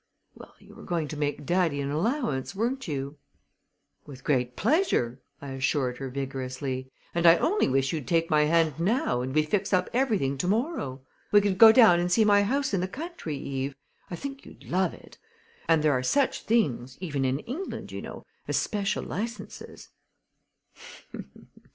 "Well, you were going to make daddy an allowance, weren't you?" "With great pleasure," I assured her vigorously; "and I only wish you'd take my hand now and we'd fix up everything to morrow. We could go down and see my house in the country, Eve I think you'd love it and there are such things, even in England, you know, as special licenses."